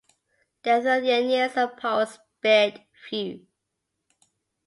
The Lithuanians and Poles spared few.